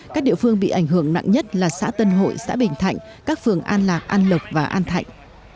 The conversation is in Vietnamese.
các địa phương bị ảnh hưởng nặng nhất là xã tân hội xã bình thạnh các phường an lạc an lộc và an thạnh